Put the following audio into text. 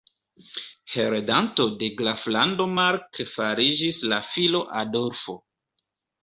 Heredanto de Graflando Mark fariĝis la filo Adolfo.